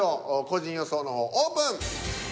個人予想の方オープン。